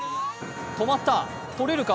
止まった、とれるか？